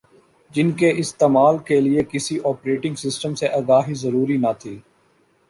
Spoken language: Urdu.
جن کے استعمال کے لئے کسی اوپریٹنگ سسٹم سے آگاہی ضروری نہ تھی